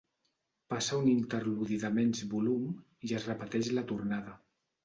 Passa un interludi de menys volum i es repeteix la tornada.